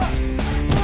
ah soks ya